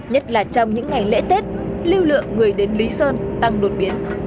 nhất là trong những ngày lễ tết lưu lượng người đến lý sơn tăng đột biến